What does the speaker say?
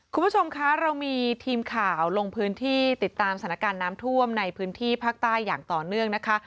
คุณผู้ชมคะเรามีทีมข่าวลงพื้นที่ติดตามสถานการณ์น้ำท่วมในพื้นที่ภาคใต้อย่างต่อเนื่องนะคะ